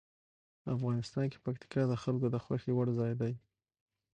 افغانستان کې پکتیکا د خلکو د خوښې وړ ځای دی.